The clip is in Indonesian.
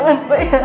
aku enggak mau